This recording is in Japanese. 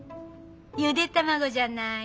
ゆで卵じゃない？